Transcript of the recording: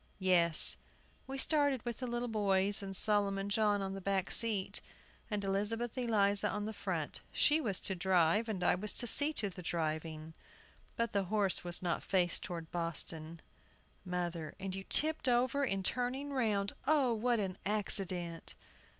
Yes; we started with the little boys and Solomon John on the back seat, and Elizabeth Eliza on the front. She was to drive, and I was to see to the driving. But the horse was not faced toward Boston. MOTHER. And you tipped over in turning round! Oh, what an accident!